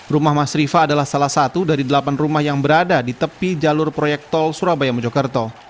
rumah mas rifa adalah salah satu dari delapan rumah yang berada di tepi jalur proyek tol surabaya mojokerto